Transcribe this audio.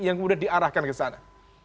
yang kemudian diarahkan ke sana